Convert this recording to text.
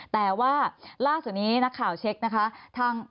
แต่ว่าล่าส่วนนี้นักข่าวเช็กทาง